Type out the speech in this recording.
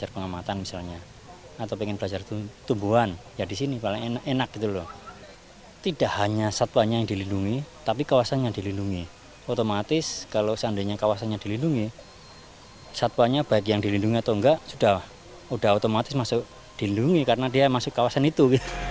pertama kali saya melihatnya baik yang dilindungi atau tidak sudah otomatis masuk dilindungi karena dia masuk kawasan itu